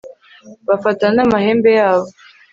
bafata n'amahembe yabo